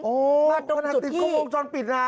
โอ้มันตั้งติดกล้องวงจรปิดน่ะ